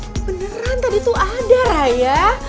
beneran tadi tuh ada raya